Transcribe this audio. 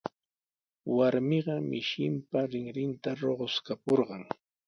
Warmiqa mishinpa rinrinta ruquskapurqan.